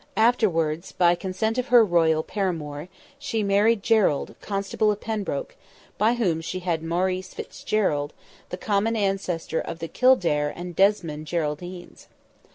Afterwards, by consent of her royal paramour, she married Gerald, constable of Pembroke, by whom she had Maurice Fitzgerald, the common ancestor of the Kildare and Desmond Geraldines.